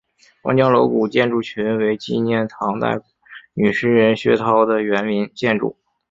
望江楼古建筑群为纪念唐代女诗人薛涛的园林建筑。